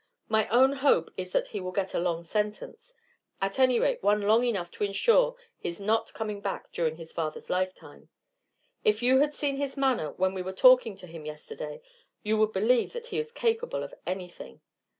My own hope is that he will get a long sentence; at any rate, one long enough to insure his not coming back during his father's lifetime. If you had seen his manner when we were talking to him yesterday, you would believe that he is capable of anything.